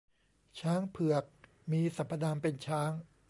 ช้างเผือก มีสรรพนามเป็นช้าง